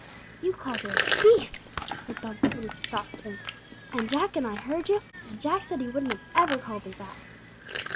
"You called her a beatht!" said Bumps in a shocked tone; "and Jack and I heard you, and Jack said he wouldn't never have called her that!"